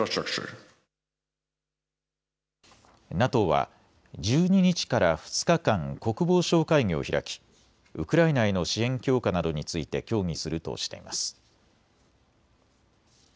ＮＡＴＯは１２日から２日間、国防相会議を開きウクライナへの支援強化などについて協議するとしています。